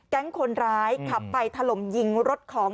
คนร้ายขับไปถล่มยิงรถของ